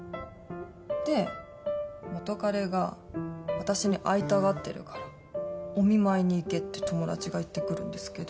で元カレが私に会いたがってるからお見舞いに行けって友達が言ってくるんですけど。